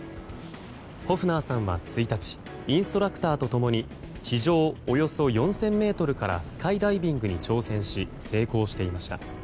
ホフナーさんは１日インストラクターと共に地上およそ４０００ｍからスカイダイビングに挑戦し成功していました。